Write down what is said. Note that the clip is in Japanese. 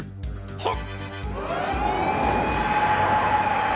はっ！